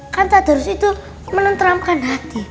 kan tak harus itu menenteramkan hati